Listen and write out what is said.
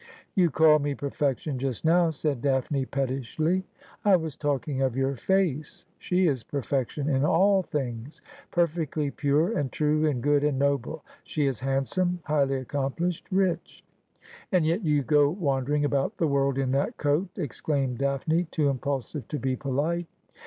' You called me perfection just now, said Daphne pettishly. ' I was talking of your face. 8he is perfect ion in all things. Perfectly pure, and true, and good, and noble. She is handsome highly accomplished, rich.' ' And yet you go wandering about the world in that coat ' exclaimed Daphne, too impulsive to be polite.